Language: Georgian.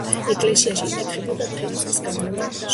ეკლესიაში იკითხებოდა მთელი წლის განმავლობაში.